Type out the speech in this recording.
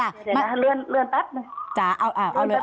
เดี๋ยวเรื่องปั๊บหน่อย